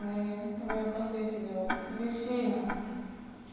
富岡製糸場うれしいな。